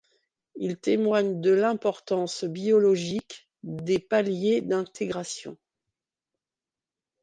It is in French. Il témoigne de l'importance biologique des paliers d'intégration.